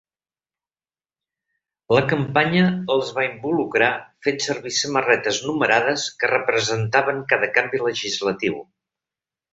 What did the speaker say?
La campanya els va involucrar fent servir samarretes numerades que representaven cada canvi legislatiu.